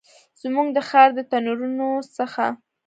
زموږ د ښار د تنورونو څخه